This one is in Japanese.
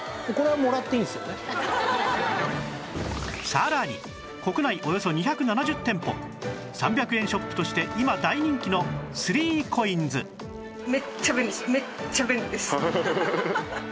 さらに国内およそ２７０店舗３００円ショップとして今大人気の ３ＣＯＩＮＳハハハハッ！